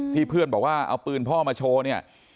เพื่อนบอกว่าเอาปืนพ่อมาโชว์เนี่ย